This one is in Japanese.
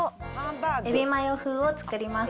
エビマヨ風を作ります。